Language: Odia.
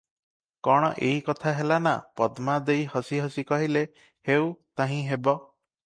କଣ ଏଇ କଥା ହେଲା ନା?" ପଦ୍ମା ଦେଈ ହସି ହସି କହିଲେ, "ହେଉ ତାହିଁ ହେବ ।"